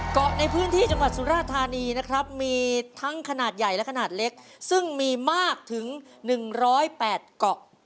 เกาะในพื้นที่จังหวัดสุราธานีนะครับมีทั้งขนาดใหญ่และขนาดเล็กซึ่งมีมากถึง๑๐๘เกาะ